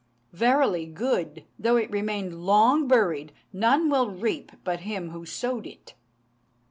Verily, good, though it remained long buried, none will reap but him who sowed it.'"